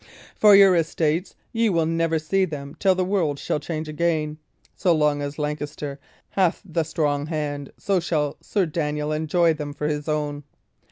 For your estates, ye will never see them till the world shall change again; so long as Lancaster hath the strong hand, so long shall Sir Daniel enjoy them for his own.